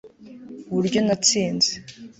uburyo natsinze